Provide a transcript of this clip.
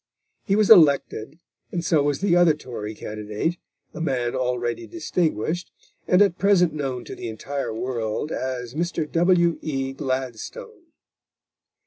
He was elected, and so was the other Tory candidate, a man already distinguished, and at present known to the entire world as Mr. W.E. Gladstone.